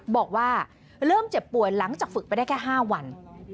บอกว่าเริ่มเจ็บป่วยหลังจากฝึกไปได้แค่๕วัน